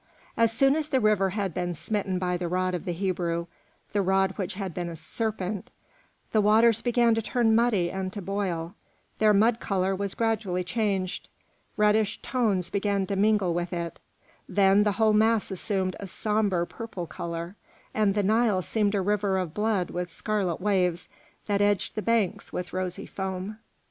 As soon as the river had been smitten by the rod of the Hebrew, the rod which had been a serpent, the waters began to turn muddy and to boil; their mud colour was gradually changed; reddish tones began to mingle with it; then the whole mass assumed a sombre purple colour, and the Nile seemed a river of blood with scarlet waves that edged the banks with rosy foam.